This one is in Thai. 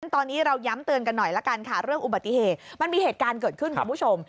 ตอนนี้เราย้ำเตือนกันหน่อยละกันค่ะเรื่องอุบัติเหตุมันมีเหตุการณ์เกิดขึ้นคุณผู้ชม